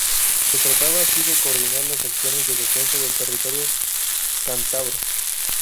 Se trataba así de coordinar las acciones de defensa del territorio cántabro.